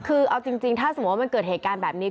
คือเอาจริงถ้าสมมุติว่ามันเกิดเหตุการณ์แบบนี้